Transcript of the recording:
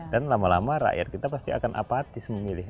dan lama lama rakyat kita pasti akan apatis memilih